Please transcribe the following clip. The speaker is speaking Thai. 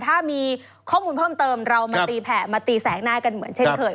ถ้ามีข้อมูลเพิ่มเติมเรามาตีแผ่มาตีแสกหน้ากันเหมือนเช่นเคย